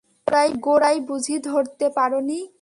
গোড়ায় বুঝি ধরতে পারো নি?